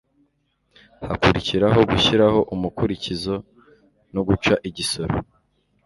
hakurikiraho gushyiraho umukurikizo no guca igisoro,